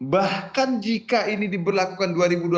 bahkan jika ini diberlakukan dua ribu dua puluh